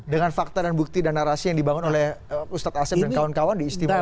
dengan fakta dan bukti dan narasi yang dibangun oleh ustadz asep dan kawan kawan di istimewa ulama